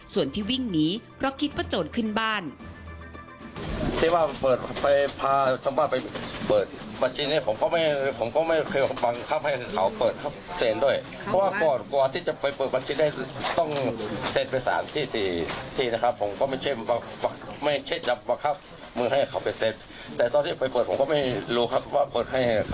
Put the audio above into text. ส่วนที่วิ่งหนีเพราะคิดว่าโจรขึ้นบ้าน